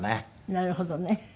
なるほどね。